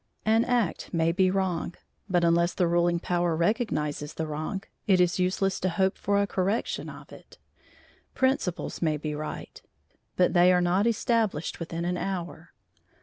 An act may be wrong, but unless the ruling power recognizes the wrong, it is useless to hope for a correction of it. Principles may be right, but they are not established within an hour.